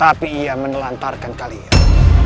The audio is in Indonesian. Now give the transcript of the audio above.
tapi ia menelantarkan kalian